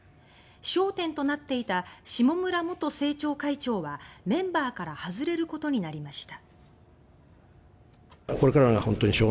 焦点となっていた下村元政調会長はメンバーから外れることになりました。